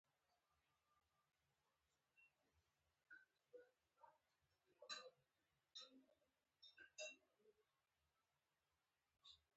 هایدروجن لرونکي ټول مرکبونه تیزابونه نه وي.